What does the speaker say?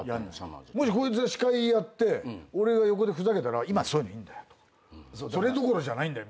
もしこいつが司会やって俺が横でふざけたら「今そういうのいいんだよ！」とか「それどころじゃないんだよ！」